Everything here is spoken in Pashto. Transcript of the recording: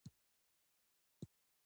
د عضلاتو درد لپاره د کوکنارو تېل وکاروئ